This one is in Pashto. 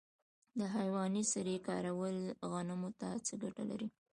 د حیواني سرې کارول غنمو ته څه ګټه لري؟